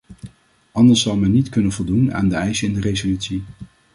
Anders zal men niet kunnen voldoen aan de eisen in de resolutie.